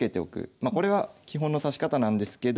まこれは基本の指し方なんですけど。